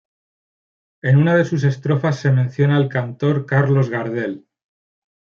En una de sus estrofas se menciona al cantor Carlos Gardel.